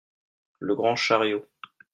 Le Grand chariot.